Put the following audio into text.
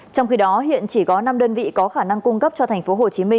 trong khi đó hiện chỉ có năm đơn vị có khả năng cung cấp cho tp hcm